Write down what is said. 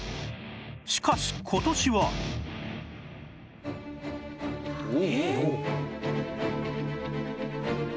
しかし今年はえっ？